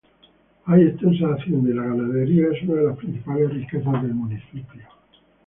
Hay extensas haciendas y la ganadería es una de las principales riquezas del municipio.